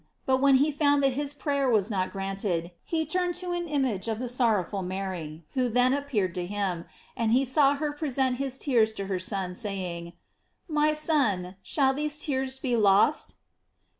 But when he found that his prayer was not granted, he turned to an image of the sorrowful Mary, who then appear ed to him, and he saw her present his tears to her Son, saying: My Son, shall these tears be lost?